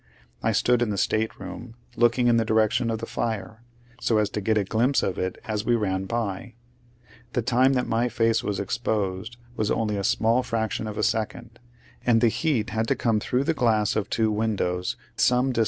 I stood in the stateroom, looking in the direction of the fire, so as to get a glimpse of it as we ran by. The time that my face was exposed was only a small fraction of a second, and the heat had to come through the glass of two windows some /].